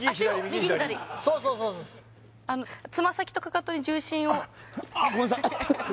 足を右左そうそうつま先とかかとに重心をあっごめんなさい